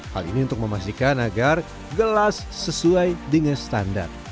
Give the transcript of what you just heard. hal ini untuk memastikan agar gelas sesuai dengan standar